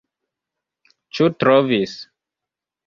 Ĉu trovis?